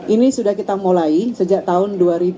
ini sudah kita mulai sejak tahun dua ribu dua puluh satu